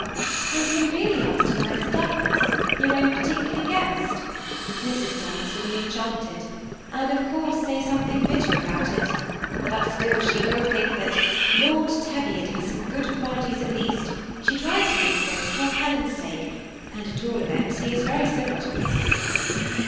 And you have really asked Eliza Douglas, your own particular guest? Mrs. Douglas will be enchanted, and of course say something bitter about it ; but still she will think that ^ that Lord Teviot has some good qualities ; at least she tries to think so for poOr Helen's sake; and, at all events, he is Yerj civil to us.